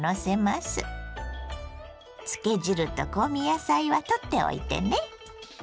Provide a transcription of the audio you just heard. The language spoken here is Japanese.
漬け汁と香味野菜は取っておいてね。